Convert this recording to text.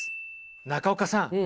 中岡さん